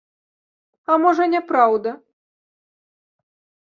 А можа, не праўда?!